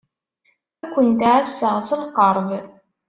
Ad kent-ɛasseɣ s lqerb.